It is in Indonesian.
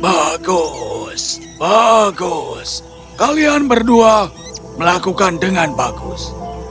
bagus bagus kalian berdua melakukan dengan bagus